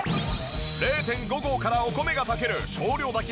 ０．５合からお米が炊ける少量炊き